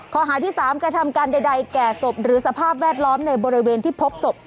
ข้อหาที่๓กระทำการใดแก่ศพหรือสภาพแวดล้อมในบริเวณที่พบศพ